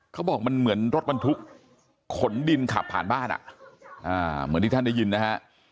เขาบอกมันเหมือนรถบรรทุกขนดินขับผ่านบ้านเหมือนที่ท่านได้ยินนะฮะ